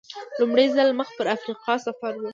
لومړی ځل مخ پر افریقا سفر و.